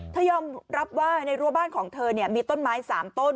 ยอมรับว่าในรัวบ้านของเธอมีต้นไม้๓ต้น